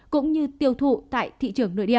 cũng như tiêu thụ tại thị trường nội địa